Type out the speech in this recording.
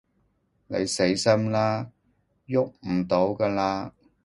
你死心啦，逳唔到㗎喇